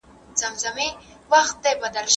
فرد خپله دنده ژوره احساسوي.